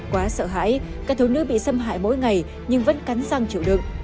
quá sợ hãi các thứ nữ bị xâm hại mỗi ngày nhưng vẫn cắn răng chịu đựng